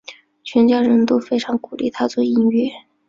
全家人都非常鼓励他做音乐。